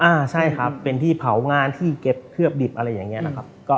อ่าใช่ครับเป็นที่เผางานที่เก็บเคลือบดิบอะไรอย่างนี้นะครับ